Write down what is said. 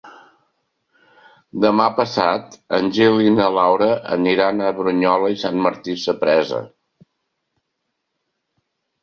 Demà passat en Gil i na Laura aniran a Brunyola i Sant Martí Sapresa.